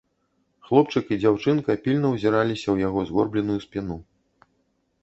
Хлопчык і дзяўчынка пільна ўзіраліся ў яго згорбленую спіну.